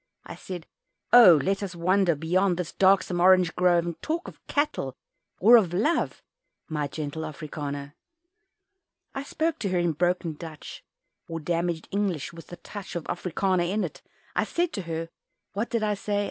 I said, "Oh! let us wander Beyond this darksome orange grove, And talk of cattle or of Love My gentle Afrikander." I spoke to her in broken Dutch, Or damaged English with a touch Of "Afrikander" in it. I said to her what did I say?